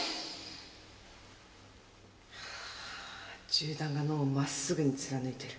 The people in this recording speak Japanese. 銃弾が脳をまっすぐに貫いてる。